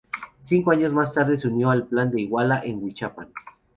Cinco años más tarde se unió al Plan de Iguala en Huichapan.